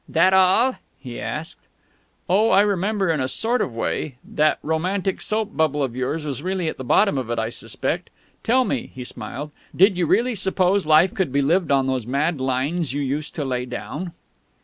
"That all?" he asked. "Oh, I remember in a sort of way. That 'Romantic' soap bubble of yours was really at the bottom of it, I suspect. Tell me," he smiled, "did you really suppose Life could be lived on those mad lines you used to lay down?"